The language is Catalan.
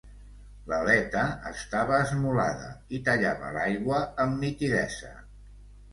L'aleta estava esmolada i tallava l'aigua amb nitidesa.